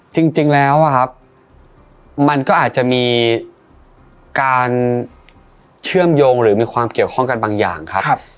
จริงแล้วครับมันก็อาจจะมีการเชื่อมโยงหรือมีความเกี่ยวข้องกันบางอย่างครับ